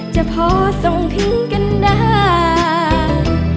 จะพอส่งทิ้งกันได้